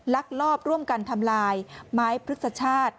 ลักลอบร่วมกันทำลายไม้พฤกษชาติ